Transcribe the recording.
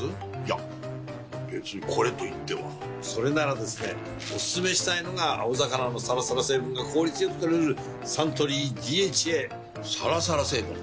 いや別にこれといってはそれならですねおすすめしたいのが青魚のサラサラ成分が効率良く摂れるサントリー「ＤＨＡ」サラサラ成分？